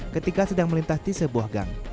ketika sedang melintas di sebuah gang